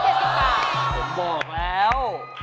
ผมบอกแล้ว